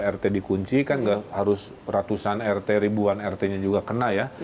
rt dikunci kan harus ratusan rt ribuan rt nya juga kena ya